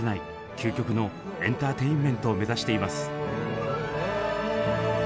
究極のエンターテインメントを目指しています。